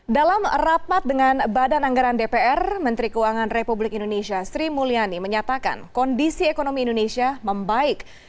dalam rapat dengan badan anggaran dpr menteri keuangan republik indonesia sri mulyani menyatakan kondisi ekonomi indonesia membaik